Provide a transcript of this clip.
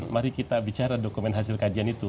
mari kita bicara dokumen hasil kajian itu